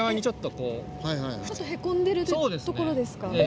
ちょっとへこんでる所ですか。